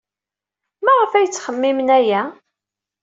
Maɣef ay yettxemmim aya?